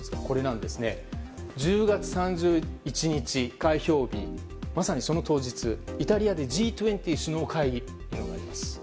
１０月３１日、開票日まさにその当日イタリアでＧ２０首脳会議があります。